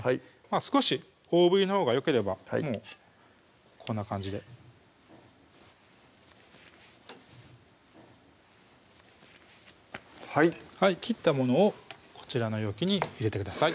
少し大ぶりのほうがよければもうこんな感じではい切ったものをこちらの容器に入れてください